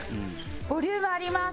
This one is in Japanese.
ボリュームあります。